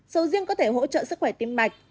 sầu riêng có thể hỗ trợ sức khỏe tim mạch